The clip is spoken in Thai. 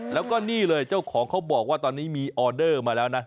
แล้วก็นี่เลยเจ้าของเขาบอกว่าตอนนี้มีออเดอร์มาแล้วนะ